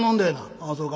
「ああそうか。